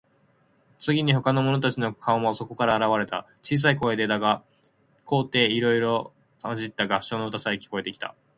次に、ほかの者たちの顔もそこから現われた。小さい声でだが、高低いろいろまじった合唱の歌さえ、聞こえてきた。